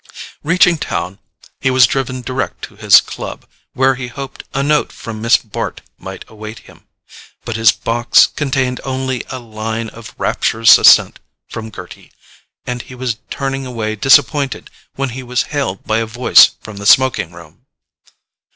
Reaching town, he was driven direct to his club, where he hoped a note from Miss Bart might await him. But his box contained only a line of rapturous assent from Gerty, and he was turning away disappointed when he was hailed by a voice from the smoking room.